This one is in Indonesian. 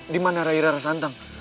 dimana rai rara santang